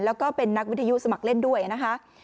แล้วก็เป็นนักวิทยุสมัครเล่นด้วยนะคะ